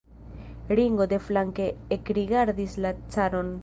Ringo deflanke ekrigardis la caron.